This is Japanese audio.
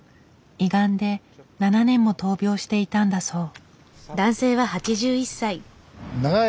胃がんで７年も闘病していたんだそう。